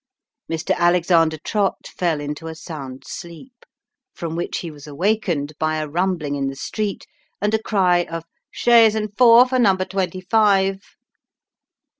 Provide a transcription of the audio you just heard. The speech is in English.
Mr. Alexander Trott fell into a sound sleep, from which he was awakened by a rumbling in the street, and a cry of " Chaise and four for number twenty five